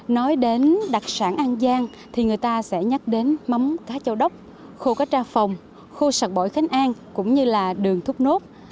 nói đến đặc sản an giang thì người ta sẽ nhắc đến mắm cá châu đốc khô cá tra phồng khô sạc bổi khánh an cũng như là đường thúc nốt